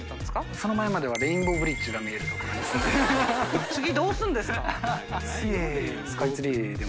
その前まではレインボーブリッジが見える所に住んで